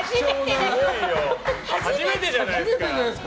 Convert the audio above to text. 初めてじゃないですか？